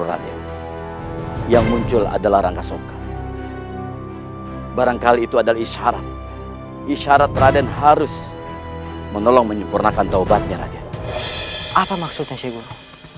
apa maksudnya syekh guru